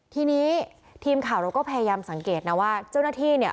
ทีนี้ทีมข่าวเราก็พยายามสังเกตนะว่าเจ้าหน้าที่เนี่ย